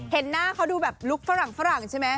เห็นหน้าเขาดูแบบลุคฝรั่งใช่ไหม